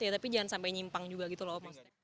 ya tapi jangan sampai nyimpang juga gitu loh maksudnya